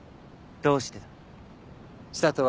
どうしてだ？